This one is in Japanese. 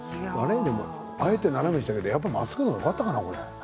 あえて斜めにしたけれどもまっすぐの方がよかったかな？